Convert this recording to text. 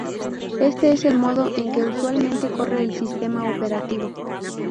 Este es el modo en que usualmente corre el sistema operativo".